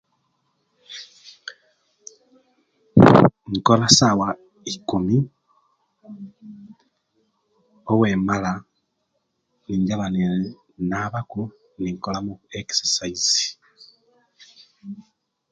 Nkola esawa iikumi owemala ninjaba ninaabaku nikolaku ekisasaizi.